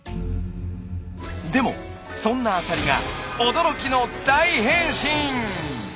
でもそんなアサリが驚きの大変身！